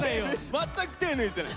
全く手抜いてない。